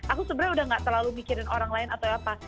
aku sebenarnya udah gak terlalu mikirin orang lain atau apa